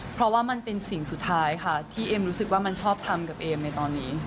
เพราะว่ามันเป็นสิ่งสุดท้ายค่ะที่เอ็มรู้สึกว่ามันชอบทำกับเอมในตอนนี้